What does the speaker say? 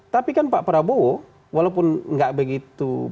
tapi kan pak prabowo walaupun nggak begitu banyak dapat pemilih dan pilih